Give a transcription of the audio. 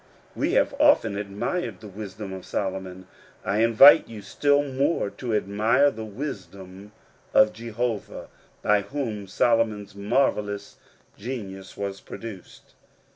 We have often admired the wisdom of Solomon ; I invite you still more to admire the wisdom of Jehovah, by whom Solomon's marvelous genius was produced.